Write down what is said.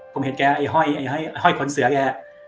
ผมเห็นแกไอ้ห้อยขนเสือแก